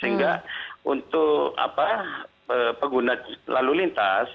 sehingga untuk pengguna lalu lintas